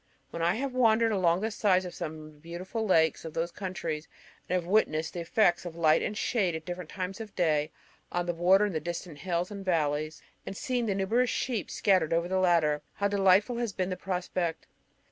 When I have wandered along the sides of some of the beautiful lakes of those counties, and have witnessed the effects of light and shade at different times of the day, on the water and distant hills and valleys, and seen the numerous sheep scattered over the latter, how delightful has been the prospect!